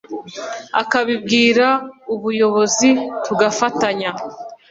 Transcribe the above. akabibwira ubuyobozi tugafatanya